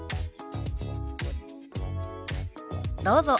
どうぞ。